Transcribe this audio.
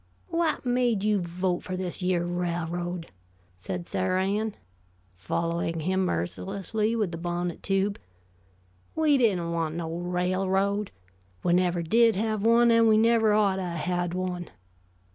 "Whut made you vote for this yere railroad?" said Sarah Ann, following him mercilessly with the bonnet tube. "We didn't want no railroad. We never did have one, and we never ought to a had one.